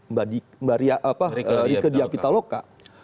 mbak rike diapitaloka